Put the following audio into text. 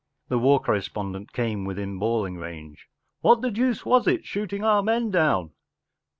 The war correspondent came within bawling range, “ What the deuce was it ? Shooting our men down